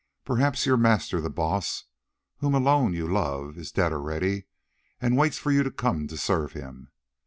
Perhaps your master, the Baas, whom alone you love, is dead already and waits for you to come to serve him.